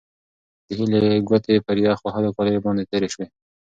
د هیلې ګوتې پر یخ وهلو کالیو باندې تېرې شوې.